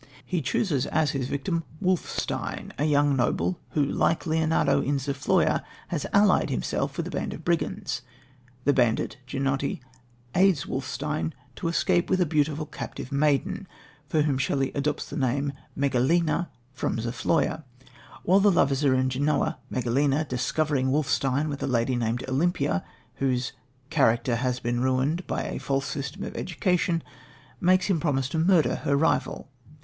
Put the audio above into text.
He chooses as his victim, Wolfstein, a young noble who, like Leonardo in Zofloya, has allied himself with a band of brigands. The bandit, Ginotti, aids Wolfstein to escape with a beautiful captive maiden, for whom Shelley adopts the name Megalena from Zofloya. While the lovers are in Genoa, Megalena, discovering Wolfstein with a lady named Olympia, whose "character has been ruined by a false system of education," makes him promise to murder her rival.